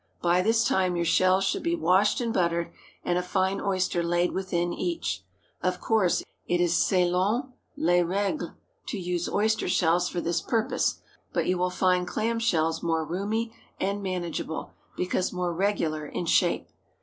By this time your shells should be washed and buttered, and a fine oyster laid within each. Of course, it is selon les régles to use oyster shells for this purpose; but you will find clam shells more roomy and manageable, because more regular in shape.